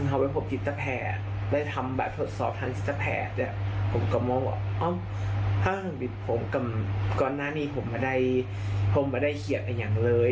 เอาไว้ผมกิจตะแผนได้ทำแบบทดสอบทางกิจตะแผนผมก็มองว่าถ้าคุณผิดผมก่อนหน้านี้ผมไม่ได้เขียนกันอย่างเลย